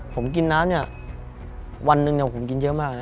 ผมกินน้ำเนี่ยวันหนึ่งผมกินเยอะมากนะ